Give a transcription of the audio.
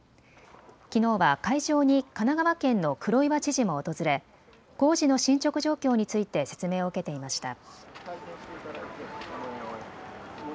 きのうは会場に神奈川県の黒岩知事も訪れ工事の進捗状況について説明を受けていました。